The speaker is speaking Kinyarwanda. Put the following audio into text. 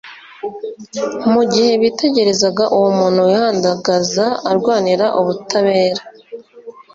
mu gihe bitegerezaga uwo muntu wihandagaza arwanirira ubutabera.